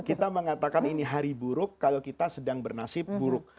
kita mengatakan ini hari buruk kalau kita sedang bernasib buruk